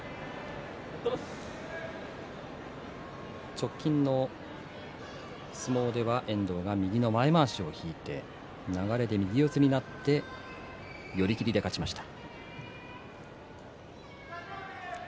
直近の相撲では遠藤が右の前まわしを引いて流れで右四つになって寄り切りで勝ちました。